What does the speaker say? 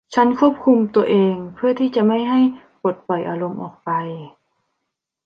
ฉันควบคุมตัวเองเพื่อที่จะไม่ให้ปลดปล่อยอารมณ์ออกไป